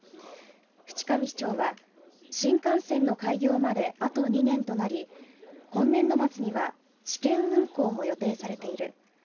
渕上市長は新幹線の開業まであと２年となり今年度末には試験運行も予定されている。